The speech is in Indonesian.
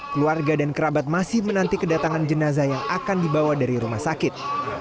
keluarga dan kerabat masih menanti kedatangan jenazah yang akan dibawa dari rumah sakit